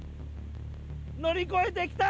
乗り越えてきた！